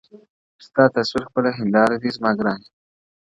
• ستا تصوير خپله هينداره دى زما گراني ؛